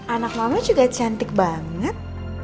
anak mama juga cantik banget